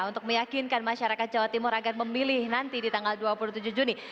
untuk meyakinkan masyarakat jawa timur agar memilih nanti di tanggal dua puluh tujuh juni